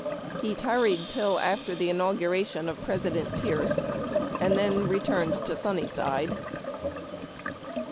He tarried till after the inaugu ration of President Pierce, and then returned to Sunnyside.